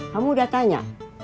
kamu udah tanya